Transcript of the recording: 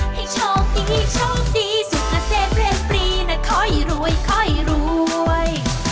ให้ชอบดีสุขเซ็ตเร่งนะข้อยรวยรวย